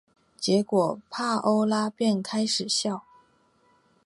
结果帕欧拉便开始笑。